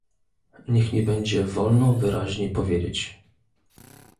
Niech mi będzie wolno wyraźnie powiedzieć